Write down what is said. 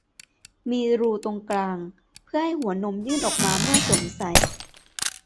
มีรูตรงกลาง เพื่อให้หัวนมยื่นออกมาเมื่อสวมใส่